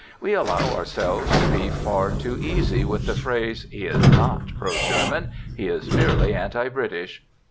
We allow ourselves to be far too easy with the phrase, "He is not pro German, he is merely anti British."